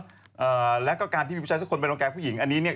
อ่าแล้วก็การที่ปีฮุชัยซักคนเป็นต้องการผู้หญิงอันนี้เนี้ย